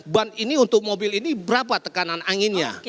ban ini untuk mobil ini berapa tekanan anginnya